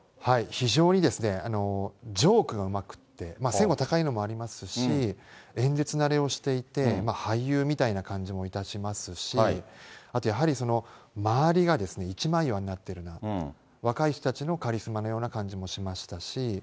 非常にジョークがうまくて、背も高いのもありますし、演説慣れをしていて、俳優みたいな感じもいたしますし、やはり周りが一枚岩になってるなって、若い人たちのカリスマのような感じもしましたし。